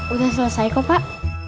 udah selesai kok pak